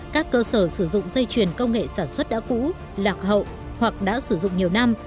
các cơ sở sử dụng dây chuyền công nghệ sản xuất đã cũ lạc hậu hoặc đã sử dụng nhiều năm